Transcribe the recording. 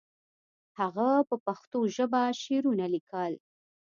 هغه په پښتو ژبه شعرونه لیکل.